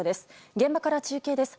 現場から中継です。